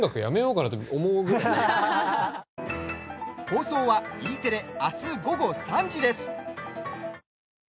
放送はＥテレあす、午後３時です。